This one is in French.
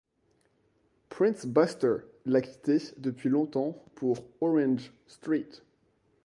Prince Buster l’a quitté depuis longtemps pour Orange Street.